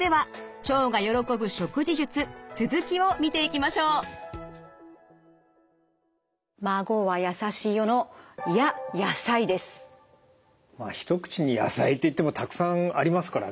まあ一口に野菜って言ってもたくさんありますからね。